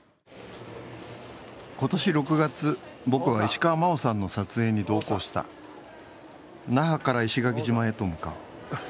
今年６月、僕は石川真生さんの撮影に同行した那覇から石垣島へと向かう。